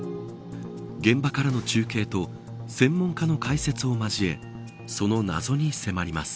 現場からの中継と専門家の解説を交えその謎に迫ります。